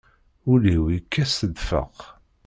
Ul-iw yekkat s ddfeq.